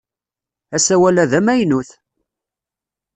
Asawal-a d amaynut!